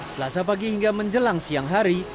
selasa pagi hingga menjelang siang hari